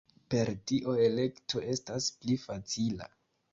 Per tio elekto estas pli facila.